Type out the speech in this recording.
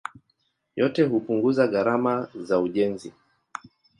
Yote hupunguza gharama za ujenzi.